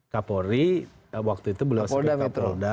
kapolri waktu itu beliau sebagai kapolda